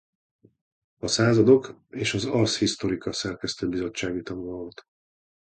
A Századok és az Ars Historica szerkesztő bizottsági tagja volt.